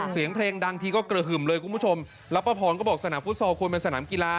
เสียงเพลงดังทีก็กระหึ่มเลยคุณผู้ชมแล้วป้าพรก็บอกสนามฟุตซอลควรเป็นสนามกีฬา